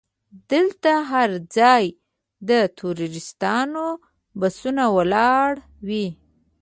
دلته هر ځای د ټوریستانو بسونه ولاړ وي.